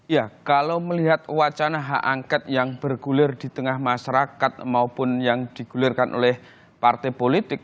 ya kalau melihat wacana hak angket yang bergulir di tengah masyarakat maupun yang digulirkan oleh partai politik